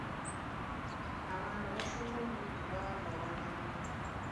Abantu abasinga obungi baava wala nnyo.